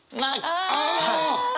ああ！